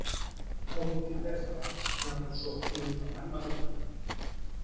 El vint-i-tres de maig na Rosó i en Ferran van a Tona.